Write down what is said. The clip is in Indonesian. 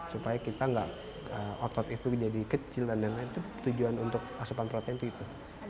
supaya kita nggak otot itu menjadi kecil dan lain lain itu tujuan untuk asupan proteinti itu